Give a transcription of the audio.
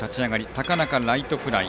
高中をライトフライ。